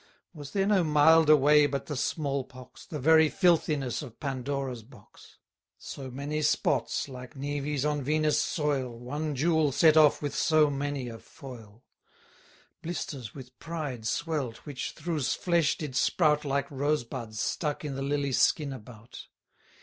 Was there no milder way but the small pox, The very filthiness of Pandora's box? So many spots, like næves on Venus' soil, One jewel set off with so many a foil; Blisters with pride swell'd, which through's flesh did sprout Like rose buds, stuck i' th' lily skin about.